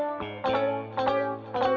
awas juga ya